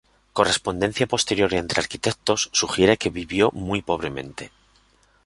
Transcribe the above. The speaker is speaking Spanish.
Correspondencia posterior entre arquitectos sugiere que vivió muy pobremente.